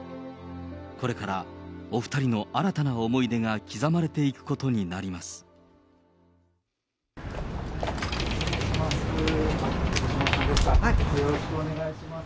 これからお２人の新たな思い出が刻まれていくことになります。